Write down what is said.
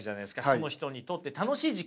その人にとって楽しい時間。